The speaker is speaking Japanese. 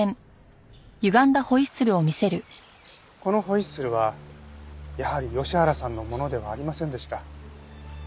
このホイッスルはやはり吉原さんのものではありませんでした。